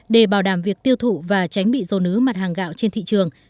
để bảo đảm việc tiêu thụ và tránh bị dồn ứ mặt hàng gạo trên thị trường